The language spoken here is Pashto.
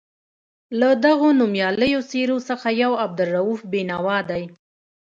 له دغو نومیالیو څېرو څخه یو عبدالرؤف بېنوا دی.